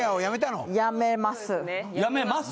やめます？